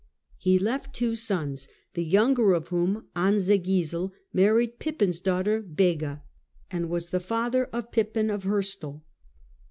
He left two sons, the younger of whom, Ansegisel, married Pippin's daughter Begga, and was the father of Pippin of Heristal.